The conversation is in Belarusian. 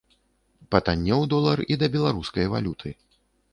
Патаннеў долар і да беларускай валюты.